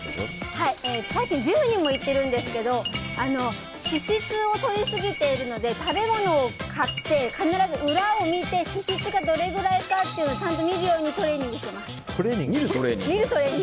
最近ジムにも行ってるんですけど脂質を取りすぎているので食べ物を買って、必ず裏を見て脂質がどれくらいかっていうのをちゃんと見るようにトレーニングしてます。